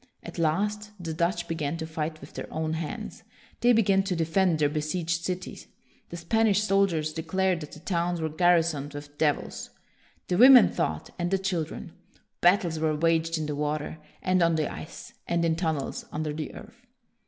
At last, the Dutch began to fight with their own hands. They began to defend their besieged cities. The Spanish soldiers de clared that the towns were garrisoned with devils. The women fought, and the chil dren. Battles were waged in the water, and on the ice, and in tunnels under the earth.